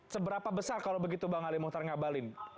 seberapa besar kalau begitu bang ali muhtar ngabalin